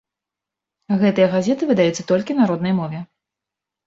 Гэтыя газеты выдаюцца толькі на роднай мове.